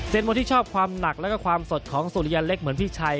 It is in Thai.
เศรษฐ์บนที่ชอบความหนักและความสดของสุริยะเล็กเหมือนพี่ชัย